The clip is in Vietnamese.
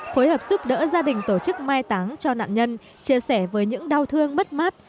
phối hợp giúp đỡ gia đình tổ chức mai táng cho nạn nhân chia sẻ với những đau thương bất mát